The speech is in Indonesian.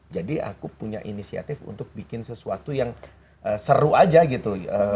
jadi aku punya inisiatif untuk bikin sesuatu yang seru aja gitu